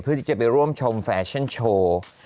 เพื่อที่จะไปร่วมชมแฟชั่นโชว์